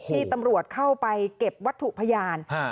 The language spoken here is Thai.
ที่ตำรวจเข้าไปเก็บวัตถุพยาน